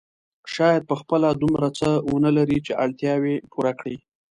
شاید په خپله دومره څه ونه لري چې اړتیاوې پوره کړي.